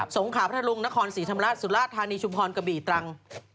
งขาพระรุงนครศรีธรรมราชสุราชธานีชุมพรกะบี่ตรัง